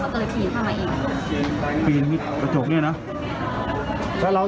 ก็เลยปลดให้ถาดหนึ่งแต่เขาไม่เอา